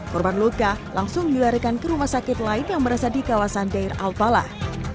korban luka langsung diwarikan ke rumah sakit lain yang berasal di kawasan deir al balah